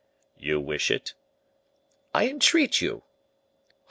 "You wish it?" "I entreat you."